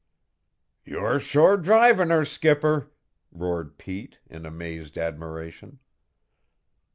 "You're sure drivin' her, skipper!" roared Pete in amazed admiration.